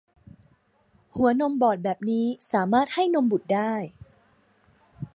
หัวนมบอดแบบนี้สามารถให้นมบุตรได้